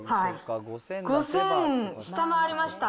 ５０００下回りました。